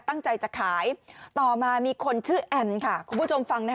ตั้งใจจะขายต่อมามีคนชื่อแอมค่ะคุณผู้ชมฟังนะคะ